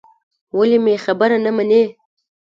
ولې مې خبره نه منې.